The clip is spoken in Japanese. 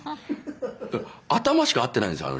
頭しか合っていないんですよ